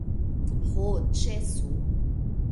Ho, ĉesu!